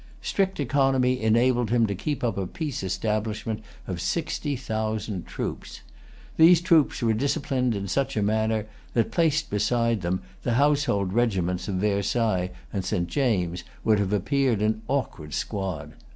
Strict economy enabled him to keep up a peace establishment of sixty thousand troops. These troops were disciplined in such a manner that, placed beside them, the household regiments of Versailles and St. James's would have appeared an awkward squad.